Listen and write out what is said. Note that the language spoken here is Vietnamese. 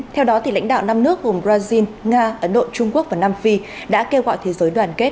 theo đó lãnh đạo năm nước gồm brazil nga ấn độ trung quốc và nam phi đã kêu gọi thế giới đoàn kết